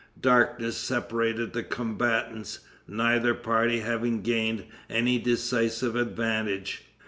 Darkness separated the combatants, neither party having gained any decisive advantage.